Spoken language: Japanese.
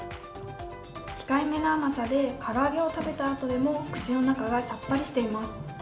控えめな甘さで、から揚げを食べたあとでも、口の中がさっぱりしています。